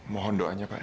mohon doanya pak